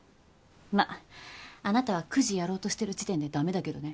まあなたはくじやろうとしてる時点でダメだけどね。